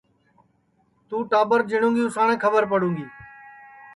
توں ٹاٻر جیٹؔوں گی ساٹی کھٻر پڑوں گی